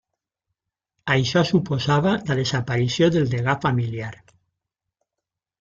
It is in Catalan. Això suposava la desaparició del degà familiar.